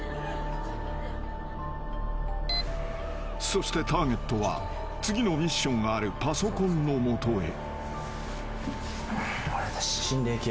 ［そしてターゲットは次のミッションがあるパソコンの元へ］